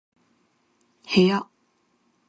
部屋